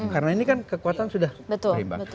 karena ini kan kekuatan sudah berimbang